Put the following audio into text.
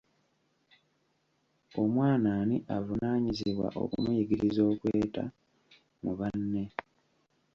Omwana ani avunaanyizibwa okumuyigiriza okweta mu banne?